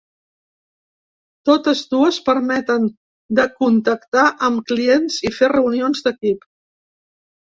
Totes dues permeten de contactar amb clients i fer reunions d’equip.